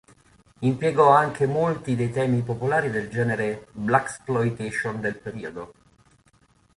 Impiega anche molti dei temi popolari del genere blaxploitation del periodo.